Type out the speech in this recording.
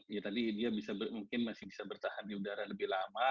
ya tadi dia mungkin masih bisa bertahan di udara lebih lama